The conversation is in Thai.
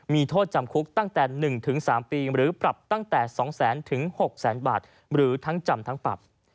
มีโทษจำคุกตั้งแต่๑๓ปีหรือปรับตั้งแต่๒๐๐๐๖๐๐๐บาทหรือทั้งจำทั้งปรับ